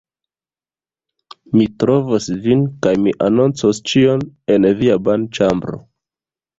Mi trovos vin kaj mi anoncos ĉion... en via banĉambro...